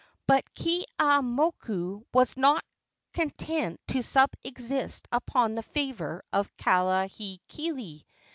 But Keeaumoku was not content to subsist upon the favor of Kahekili.